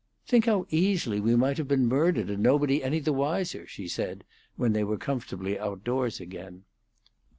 "Think how easily we might have been murdered and nobody been any the wiser!" she said when they were comfortably outdoors again.